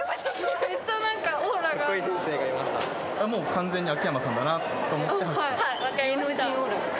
完全に秋山さんだなと思って？